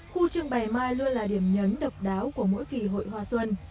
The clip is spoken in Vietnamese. khu trường bày mai luôn là điểm nhấn độc đáo của mỗi kỳ hội hoa xuân